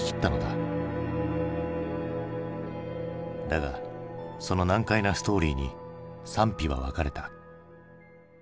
だがその難解なストーリーに賛否は分かれた。